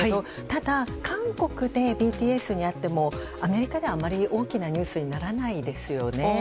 ただ韓国でＢＴＳに会ってもアメリカではあまり大きなニュースにはならないですよね。